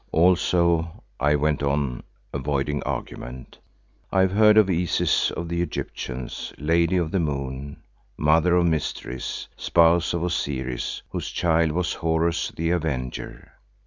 "——Also," I went on, avoiding argument, "I have heard of Isis of the Egyptians, Lady of the Moon, Mother of Mysteries, Spouse of Osiris whose child was Horus the Avenger."